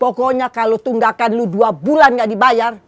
pokoknya kalau tunggakan lu dua bulan gak dibayar